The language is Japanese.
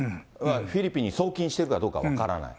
フィリピンに送金しているかどうか分からない。